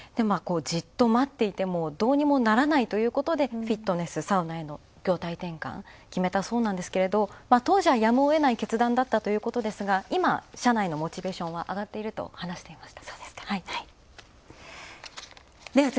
じっと待っていても、どうにもならないということでフィットネス・サウナへの業態転換を決めたそうなんですけれど当時はやむをえない決断だったということですが今、社内のモチベーションは上がっていると話していましたね。